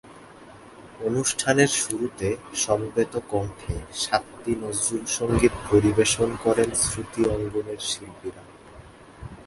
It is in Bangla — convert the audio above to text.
অনুষ্ঠানের শুরুতে সমবেত কণ্ঠে সাতটি নজরুল সংগীত পরিবেশন করেন শ্রুতি অঙ্গনের শিল্পীরা।